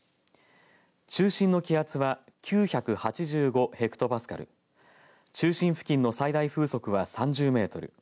中心の気圧は９８５ヘクトパスカル中心付近の最大風速は３０メートル